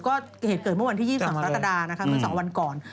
หรือก็เหตุเกิดเมื่อวันที่๒๒ศตราตราเหมือน๒วันก่อน